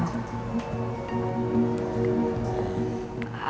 terjatuh dari mobil